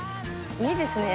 いいですね